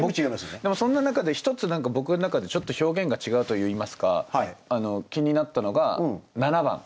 でもそんな中で一つ何か僕の中でちょっと表現が違うといいますか気になったのが７番。